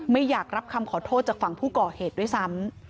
ไม่อยากรับคำขอโทษจากฝั่งผู้ก่อเหตุด้วยซ้ำ